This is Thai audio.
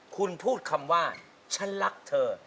คุณพูดคำว่าฉันรักเธอ